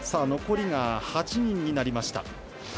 残りが８人になりました。